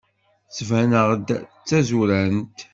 Ttbaneɣ-d d tazurant?